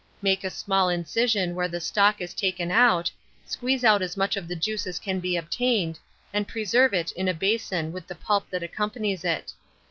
Make a small incision where the stalk is taken out, squeeze out as much of the juice as can be obtained, and preserve it in a basin with the pulp that accompanies it.